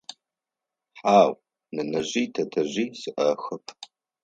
Хьау, нэнэжъи тэтэжъи сиӏэхэп.